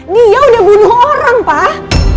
dia udah bunuh orang pak